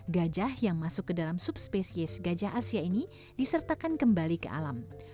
gajah yang masuk ke dalam subspesies gajah asia ini disertakan kembali ke alam